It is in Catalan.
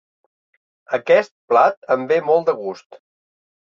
Aquest plat em ve molt de gust.